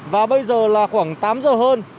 và bây giờ là khoảng tám giờ hơn